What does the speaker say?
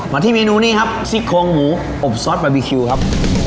ที่เมนูนี้ครับซิกโครงหมูอบซอสบาร์บีคิวครับ